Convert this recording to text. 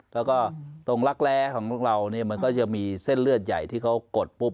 แล้วก็ตรงรักแร้ของเราเนี่ยมันก็จะมีเส้นเลือดใหญ่ที่เขากดปุ๊บ